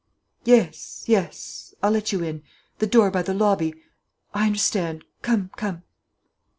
"Yes, yes; I'll let you in. The door by the lobby I understand; come, come."